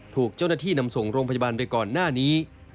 ถูกเจ้าหน้าที่นำส่งโรงพยาบาลไปก่อนหน้านี้